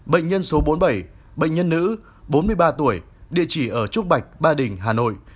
bệnh nhân số bốn mươi bảy bệnh nhân nữ bốn mươi ba tuổi địa chỉ ở trúc bạch ba đình hà nội